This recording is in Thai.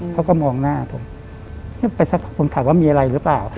เขาก็มองหน้าผมไปสักพักผมถามว่ามีอะไรหรือเปล่า